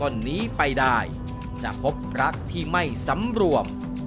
นี้ไปได้จะพบรักที่ไม่สำรวม